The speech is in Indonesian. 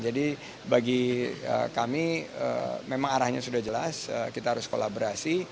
jadi bagi kami memang arahnya sudah jelas kita harus kolaborasi